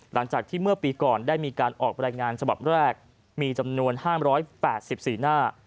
หลังจากที่เมื่อปีก่อนได้มีการออกรายงานฉบับแรกมีจำนวน๕๘๔หน้า